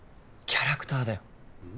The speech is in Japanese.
キャラクターだよ